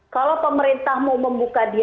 kalau pemerintah mau membuka diri